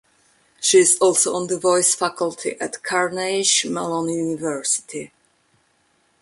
She is also on the Voice Faculty at Carnegie Mellon University.